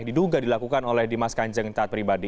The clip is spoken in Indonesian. diduga dilakukan oleh dimas kanjeng taat pribadi